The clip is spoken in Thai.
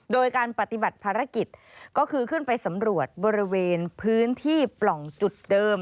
โดยการปฏิบัติภารกิจก็คือขึ้นไปสำรวจบริเวณพื้นที่ปล่องจุดเดิม